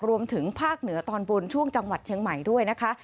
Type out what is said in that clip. รวมถึงภาคเหนือตอนบนช่วงจังหวัดเชียงใหม่ด้วยนะคะ